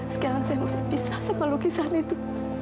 sekarang saya pisah sama lukisan itu